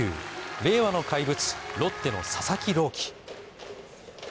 令和の怪物ロッテの佐々木朗希。